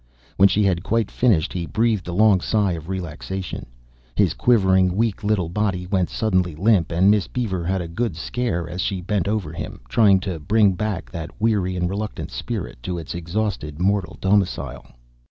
When she had quite finished, he breathed a long sigh of relaxation; his quivering, weak little body went suddenly limp, and Miss Beaver had a good scare as she bent over him, trying to bring back that weary and reluctant spirit to its exhausted mortal domicile.